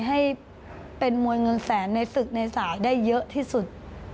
ให้เป็นมวยเงินแสนในศึกในสายได้เยอะที่สุด